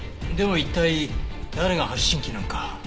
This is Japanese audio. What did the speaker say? でも一体誰が発信機なんか。